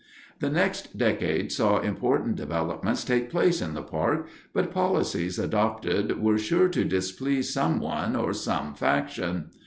The next decade saw important developments take place in the park, but policies adopted were sure to displease someone or some faction.